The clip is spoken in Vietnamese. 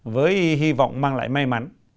với hy vọng mang lại may mắn